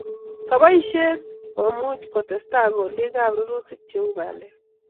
kaboishet komuchi ketesta kolekab rurutik cheu bandek